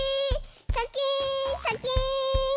シャキーンシャキーン！